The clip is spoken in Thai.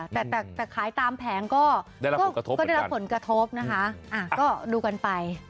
แต่ขายตามแผงก็ได้รับผลกระทบเพื่อยังกันอ่าก็ดูกันไป